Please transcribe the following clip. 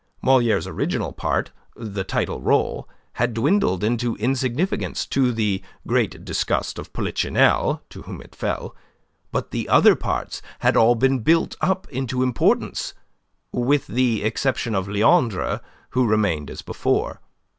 Moliere's original part the title role had dwindled into insignificance, to the great disgust of Polichinelle, to whom it fell. But the other parts had all been built up into importance, with the exception of Leandre, who remained as before.